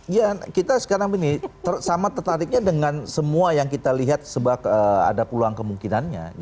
ya kita sekarang begini sama tertariknya dengan semua yang kita lihat sebab ada peluang kemungkinannya